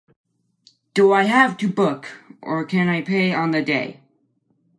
Do I have to book, or can I pay on the day?